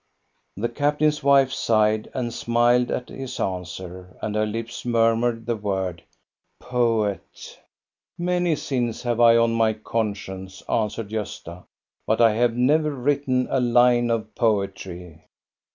The captain's wife sighed and smiled at his answer, and her lips murmured the word, —" Poet !" "Many sins have I on my conscience," answered Gosta, " but I have never written a line of poetry."